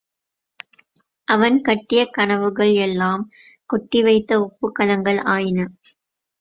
அவன் கட்டிய கனவுகள் எல்லாம் கொட்டிவைத்த உப்புக்களங்கள் ஆயின.